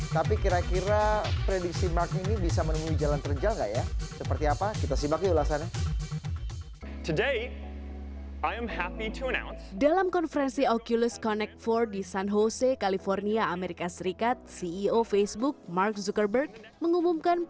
tapi kira kira prediksi mark ini bisa menemui jalan terjal nggak ya seperti apa kita simak di ulasannya